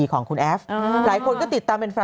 ของคุนแอฟหลายคนก็ติดตาม